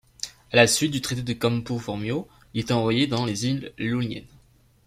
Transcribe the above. À la suite du traité de Campo-Formio il est envoyé dans les îles Ioniennes.